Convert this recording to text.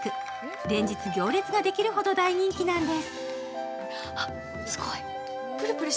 連日行列ができるほど大人気なんです。